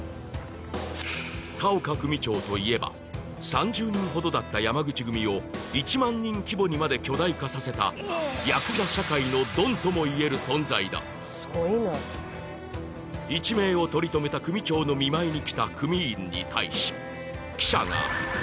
田岡組長といえば３０人ほどだった山口組を１万人規模にまで巨大化させた「ヤクザ社会のドン」とも言える存在だ一命をとりとめたを見せる分かれ